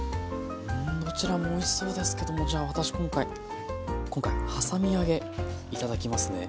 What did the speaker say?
どちらもおいしそうですけどもじゃあ私今回はさみ揚げ頂きますね。